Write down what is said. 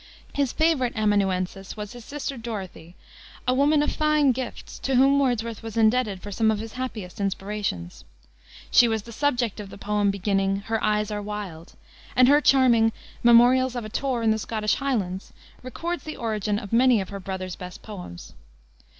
His favorite amanuensis was his sister Dorothy, a woman of fine gifts, to whom Wordsworth was indebted for some of his happiest inspirations. She was the subject of the poem beginning "Her eyes are wild," and her charming Memorials of a Tour in the Scottish Highlands records the origin of many of her brother's best poems.